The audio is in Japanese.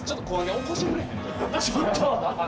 ちょっと！